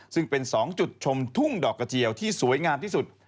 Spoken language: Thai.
ซึ่งเป็น๒จุดชมทุ่งดอกกระเจียวที่สวยงามที่สุด